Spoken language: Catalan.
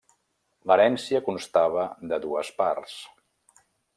L’herència constava de dues parts.